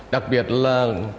đặc biệt là